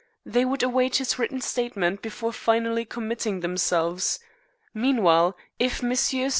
They would await his written statement before finally committing themselves. Meanwhile, if Messrs.